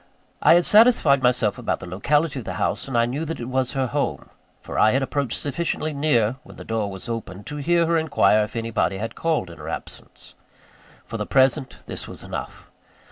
I had satisfied myself about the locality of the house, and I knew that it was her home; for I had approached sufficiently near, when the door was opened, to hear her inquire if anybody had called in her absence. For the present, this was enough.